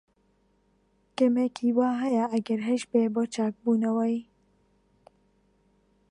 کەمێک ھیوا ھەیە، ئەگەر ھەشبێت، بۆ چاکبوونەوەی.